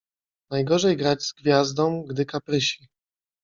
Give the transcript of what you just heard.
Najgorzej grać z gwiazdą, gdy kaprysi.